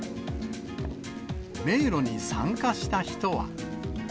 迷路に参加した人は。